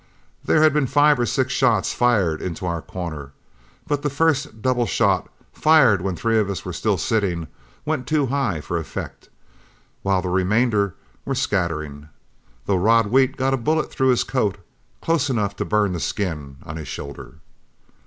There had been five or six shots fired into our corner, but the first double shot, fired when three of us were still sitting, went too high for effect, while the remainder were scattering, though Rod Wheat got a bullet through his coat, close enough to burn the skin on his shoulder.